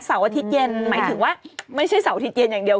อาทิตย์เย็นหมายถึงว่าไม่ใช่เสาร์อาทิตย์เย็นอย่างเดียว